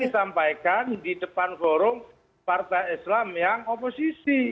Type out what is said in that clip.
disampaikan di depan forum partai islam yang oposisi